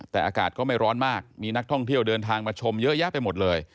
แต่อากาศก็ไม่ร้อนมากมีนักท่องเที่ยวเดินทางมาชมเยอะแยะไปหมดเลย